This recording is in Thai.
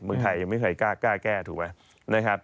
เมืองไทยยังไม่เคยกล้าแก้ถูกไหมนะครับ